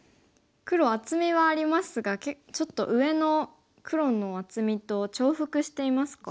黒厚みはありますがちょっと上の黒の厚みと重複していますか。